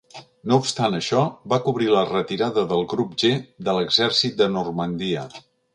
No obstant això, va cobrir la retirada del Grup G de l"exèrcit de Normandia.